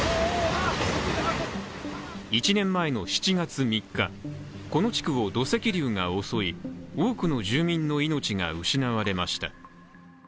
１年前の７月３日、この地区を土石流が襲い多くの住民の命が失われました。